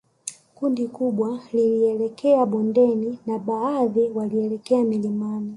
Kundi kubwa lilielekea bondeni na baadhi walielekea milimani